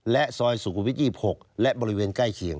ซอยสุขุมวิท๒๖และบริเวณใกล้เคียง